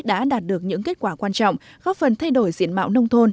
đã đạt được những kết quả quan trọng góp phần thay đổi diện mạo nông thôn